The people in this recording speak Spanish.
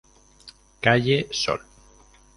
Calle Sol.